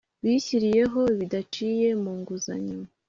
bishyiriyeho bidaciye mu nguzanyo